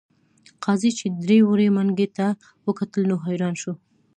قاضي چې دړې وړې منګي ته وکتل نو حیران شو.